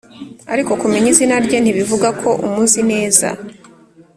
Ariko kumenya izina rye ntibivuga ko umuzi neza